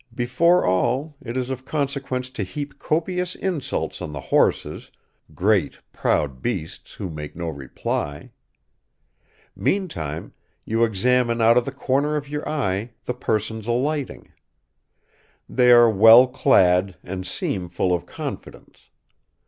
Before all, it is of consequence to heap copious insults on the horses, great, proud beasts, who make no reply. Meantime, you examine out of the corner of your eye the persons alighting. They are well clad and seem full of confidence.